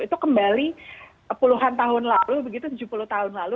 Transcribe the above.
itu kembali puluhan tahun lalu begitu tujuh puluh tahun lalu